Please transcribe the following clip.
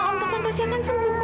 om tuhan pasti akan sembuh